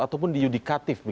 atau pun di yudikatif